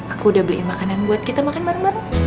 aku udah beliin makanan buat kita makan bareng bareng